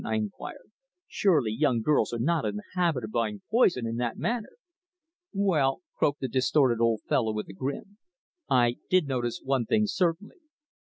I inquired. "Surely young girls are not in the habit of buying poison in that manner!" "Well," croaked the distorted old fellow, with a grin, "I did notice one thing, certainly.